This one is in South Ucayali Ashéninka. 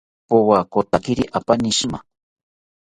Powakotakiri apani shima